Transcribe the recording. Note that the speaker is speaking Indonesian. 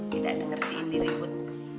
tidak denger si indi ribut